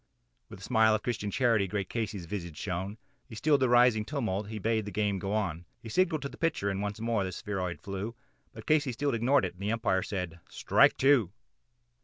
With a smile of Christian charity great Casey's visage shone, He stilled the rising tumult and he bade the game go on; He signalled to the pitcher and again the spheroid flew, But Casey still ignored it and the Umpire said "Strike two."